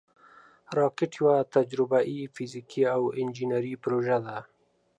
راکټ یوه تجربهاي، فزیکي او انجینري پروژه ده